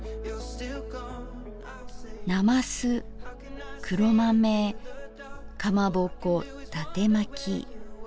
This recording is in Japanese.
なます黒豆かまぼこ伊達まき。